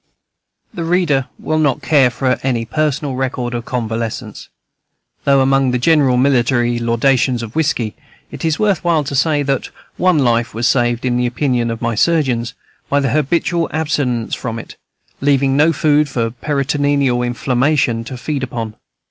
The reader will not care for any personal record of convalescence; though, among the general military laudations of whiskey, it is worth while to say that one life was saved, in the opinion of my surgeons, by an habitual abstinence from it, leaving no food for peritoneal inflammation to feed upon.